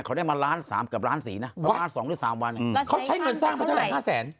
เขาได้มาล้านสามกับล้านสี่น่ะวันสองหรือสามวันอืมเขาใช้เงินสร้างมาเท่าไหร่ห้าแสน